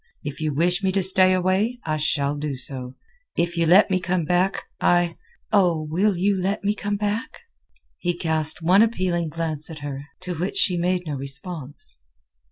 If you wish me to stay away, I shall do so. If you let me come back, I—oh! you will let me come back?" He cast one appealing glance at her, to which she made no response.